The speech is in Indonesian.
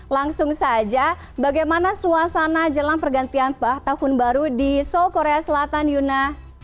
langsung saja bagaimana suasana jelang pergantian tahun baru di seoul korea selatan yuna